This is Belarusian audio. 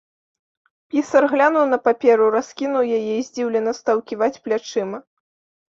Пісар глянуў на паперу, раскінуў яе і здзіўлена стаў ківаць плячыма.